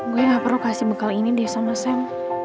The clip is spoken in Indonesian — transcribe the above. gue gak perlu kasih bekal ini deh sama sam